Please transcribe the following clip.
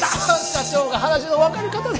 社長が話の分かる方で。